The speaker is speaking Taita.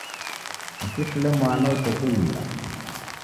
Mshishile mwana usekelila.